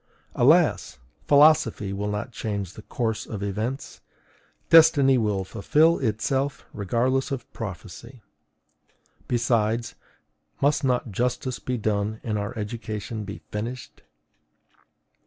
Alas! philosophy will not change the course of events: destiny will fulfill itself regardless of prophecy. Besides, must not justice be done and our education be finished?